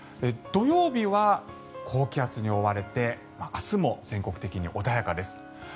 土曜日は高気圧に覆われて明日も全国的に穏やかです。